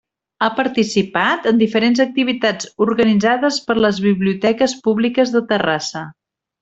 Ha participat en diferents activitats organitzades per les biblioteques públiques de Terrassa.